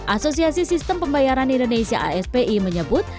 asosiasi sistem pembayaran indonesia aspi menyebut